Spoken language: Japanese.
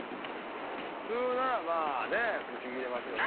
普通ならまあねぶちギレますよね。